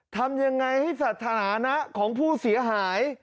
ทำยังไงให้สถานะของผู้เสียหาย